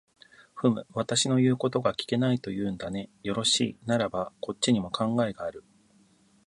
ふむ、私の言うことが聞けないと言うんだね。よろしい、ならばこっちにも考えがある。